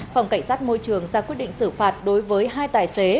phòng cảnh sát môi trường ra quyết định xử phạt đối với hai tài xế